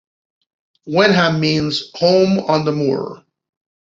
Wenham means "home on the moor".